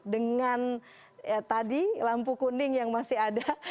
dengan tadi lampu kuning yang masih ada